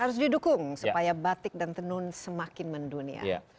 harus didukung supaya batik dan tenun semakin mendunia